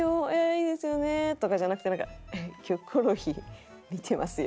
いいですよね」とかじゃなくて「『キョコロヒー』見てますよ」